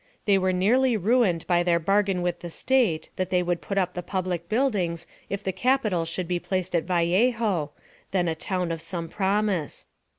They were nearly ruined by their bargain with the State, that they would put up the public buildings if the Capital should be placed at Vallejo, then a town of some promise.